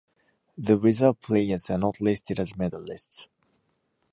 The reserve players are not listed as medalists.